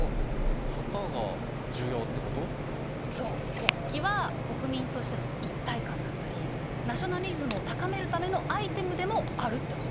国旗は国民としての一体感だったりナショナリズムを高めるためのアイテムでもあるってこと。